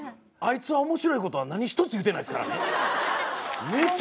あいつは面白い事は何一つ言うてないですからね。